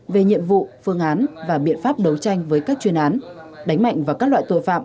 về nhiệm vụ phương án và biện pháp đấu tranh với các chuyên án đánh mạnh vào các loại tội phạm